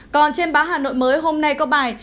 còn trên báo hà nội mới hôm nay có bài